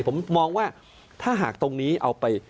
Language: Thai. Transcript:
ผมมองว่าถ้าหากตรงนี้เอาไป